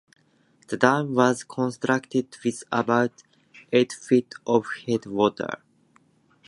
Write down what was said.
The dam was constructed with about eight feet of head water.